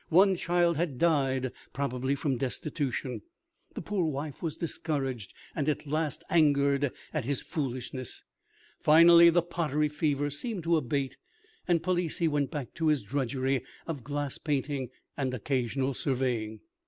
One child had died, probably from destitution. The poor wife was discouraged, and at last angered at his foolishness. Finally the pottery fever seemed to abate, and Palissy went back to his drudgery of glass painting and occasional surveying.